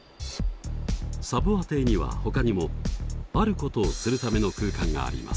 サヴォア邸にはほかにもあることをするための空間があります。